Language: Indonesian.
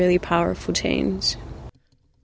ini membuat perubahan yang sangat kuat